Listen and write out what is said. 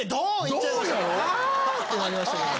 あ！ってなりました。